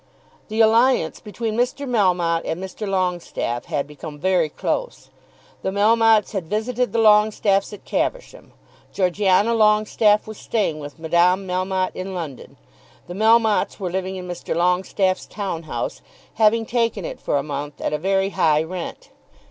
The alliance between Mr. Melmotte and Mr. Longestaffe had become very close. The Melmottes had visited the Longestaffes at Caversham. Georgiana Longestaffe was staying with Madame Melmotte in London. The Melmottes were living in Mr. Longestaffe's town house, having taken it for a month at a very high rent.